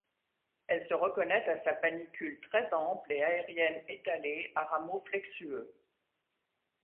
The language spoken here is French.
Elle se reconnaît à sa panicule très ample et aérienne étalée, à rameaux flexueux.